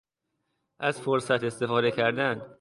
از فرصت استفاده کردن